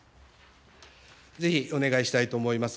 ぜひお願いしたいと思います。